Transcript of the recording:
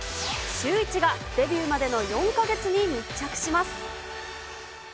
シューイチがデビューまでの４か月に密着します。